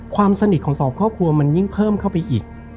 ความสนิทของสองครอบครัวมันยิ่งเพิ่มเข้าไปอีก